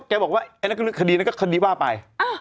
แต่ก่อนหน้านี้ก็บอกไอนี้ได้ป้าว